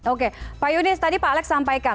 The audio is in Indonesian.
oke pak yunis tadi pak alex sampaikan